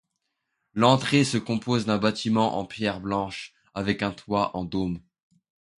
L'entrée se compose d'un bâtiment en pierre blanche avec un toit en dôme.